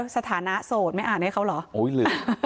สถานะโสดไม่อ่านให้เขาเหรอ